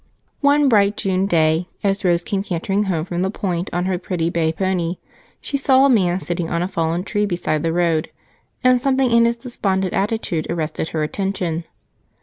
One bright June day, as Rose came cantering home from the Point on her pretty bay pony, she saw a man sitting on a fallen tree beside the road and something in his despondent attitude arrested her attention.